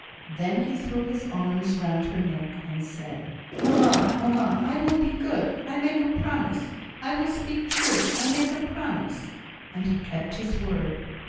Then he threw his arms round her neck, and said: "Mamma! mamma! I will be good I make a promise; I will speak true I make a promise." And he kept his word.